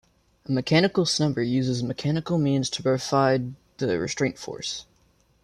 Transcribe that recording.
A mechanical snubber uses mechanical means to provide the restraint force.